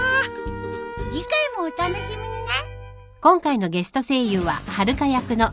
次回もお楽しみにね。